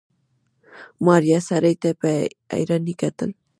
ماريا سړي ته په حيرانۍ کتل.